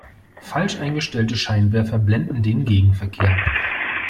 Falsch eingestellte Scheinwerfer blenden den Gegenverkehr.